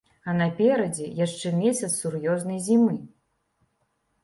А наперадзе яшчэ месяц сур'ёзнай зімы.